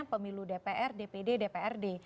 pemilu dpr dpd dprd